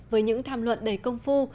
với những tham luận đầy công phu